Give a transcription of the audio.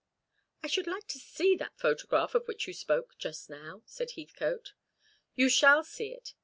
"I should like to see that photograph of which you spoke just now," said Heathcote. "You shall see it.